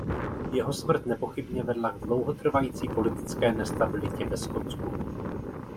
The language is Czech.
Jeho smrt nepochybně vedla k dlouhotrvající politické nestabilitě ve Skotsku.